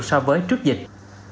so với trước dịch